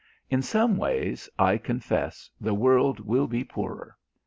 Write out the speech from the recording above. In some ways, I confess the world will be poorer.